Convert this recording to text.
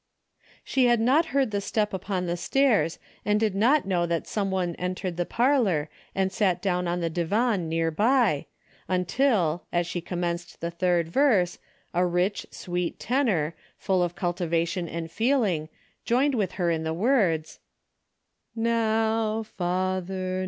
She had not heard the step upon the stairs and did not know that some one entered the parlor and sat down on the divan near by, until, as she commenced the third verse, a 262 DAILY rate:'' rich, sweet tenor, full of cultivation and feel ing, joined with her in the words :" Now, Father